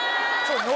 ノ